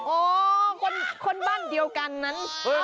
โอ้คนบ้านเดียวกันนั้น